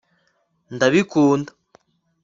ndabikunda